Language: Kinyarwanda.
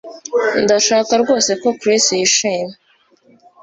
Ndashaka rwose ko Chris yishima